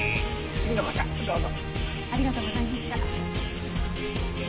次の方どうぞ。